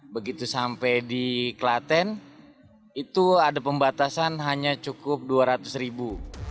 begitu sampai di klaten itu ada pembatasan hanya cukup dua ratus ribu